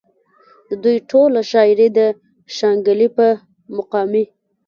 د دوي ټوله شاعري د شانګلې پۀ مقامي